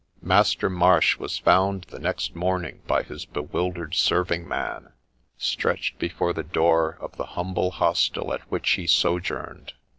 Master Marsh was found the next morning by his bewildered serving man, stretched before the door of the humble hostel at which he sojourned.